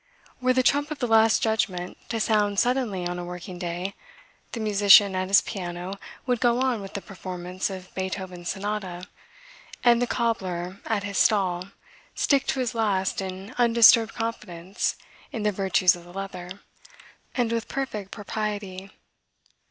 Were the trump of the Last Judgement to sound suddenly on a working day the musician at his piano would go on with his performance of Beethoven's sonata and the cobbler at his stall stick to his last in undisturbed confidence in the virtues of the leather. And with perfect propriety.